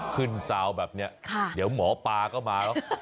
ซาวแบบนี้เดี๋ยวหมอปลาก็มาแล้ว